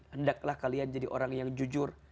hendaklah kalian jadi orang yang jujur